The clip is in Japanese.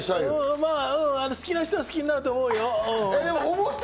好きな人は好きになると思うよ。